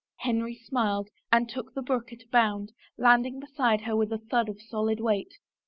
Henry smiled and took the brook at a bound, landing beside her with a thud of solid weight.